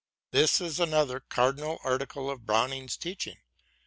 This is another cardinal article in Browning's teaching.